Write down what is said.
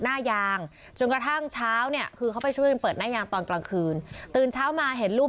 หน้ายางจนกระทั่งเช้าเนี่ยคือเขาไปช่วยกันเปิดหน้ายางตอนกลางคืนตื่นเช้ามาเห็นลูก